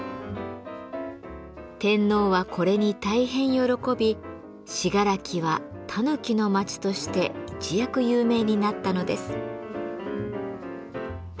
天皇はこれに大変喜び信楽は「たぬきの町」として一躍有名になったのです。